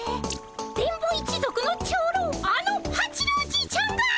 電ボ一族の長老あの八郎じいちゃんが？